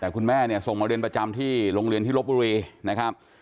แต่คุณแม่เนี่ยส่งมาเรียนประจำที่โรงเรียนที่ลบบุรีนะครับ